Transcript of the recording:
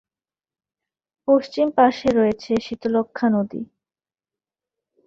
পশ্চিম পাশে রয়েছে শীতলক্ষ্যা নদী।